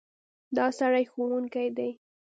دا سړی ښوونکی دی.